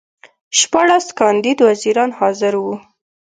شپاړس کاندید وزیران حاضر وو.